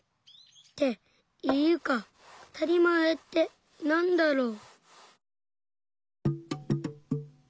っていうかあたりまえってなんだろう。